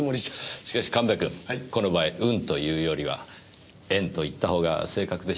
しかし神戸君この場合運というよりは縁と言ったほうが正確でしょう。